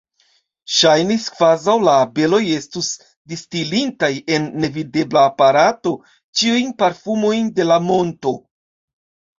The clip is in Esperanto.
Ŝajnis, kvazaŭ la abeloj estus distilintaj en nevidebla aparato ĉiujn parfumojn de la monto.